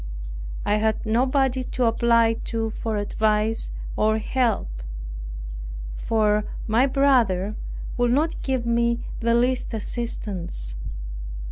I had nobody to apply to for advice or help; for my brother would not give me the least assistance.